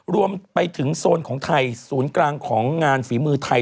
รวมไปถึงโซนของไทยศูนย์กลางของงานฝีมือไทย